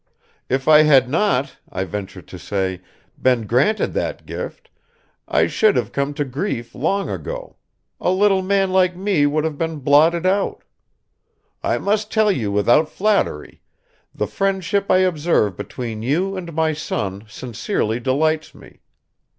If I had not, I venture to say, been granted that gift, I should have come to grief long ago; a little man like me would have been blotted out. I must tell you without flattery, the friendship I observe between you and my son sincerely delights me.